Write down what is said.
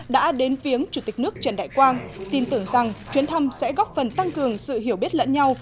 đã đến viếng chủ tịch nước trần đại quang tin tưởng rằng chuyến thăm sẽ góp phần tăng cường sự hiểu biết lẫn nhau